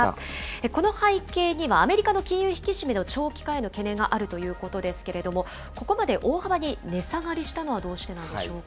この背景には、アメリカの金融引き締めの長期化への懸念があるということですけれども、ここまで大幅に値下がりしたのはどうしてなんでしょうか。